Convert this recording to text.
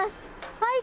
はい！」